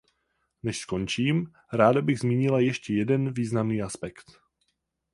Než skončím, ráda bych zmínila ještě jeden významný aspekt.